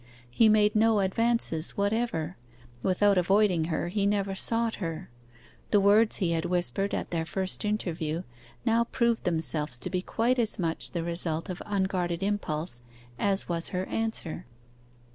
He made no advances whatever: without avoiding her, he never sought her: the words he had whispered at their first interview now proved themselves to be quite as much the result of unguarded impulse as was her answer.